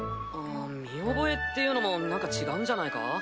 ん見覚えっていうのもなんか違うんじゃないか？